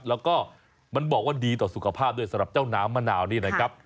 แล้วก็มันบอกว่าดีต่อสุขภาพด้วยสำหรับเจ้าน้ำมะนาวนี่นะครับ